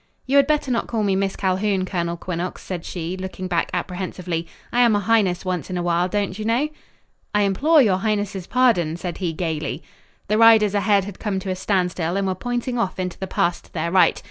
"You had better not call me Miss Calhoun, Colonel Quinnox," said she, looking back apprehensively. "I am a highness once in a while, don't you know?" "I implore your highness's pardon!" said he gaily. The riders ahead had come to a standstill and were pointing off into the pass to their right.